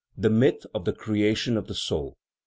The myth of the creation of the soul.